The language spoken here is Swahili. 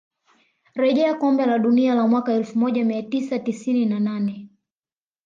rejea kombe la dunia la mwaka elfu moja mia tisa tisini na nane